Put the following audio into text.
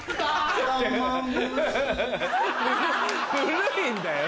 古いんだよ！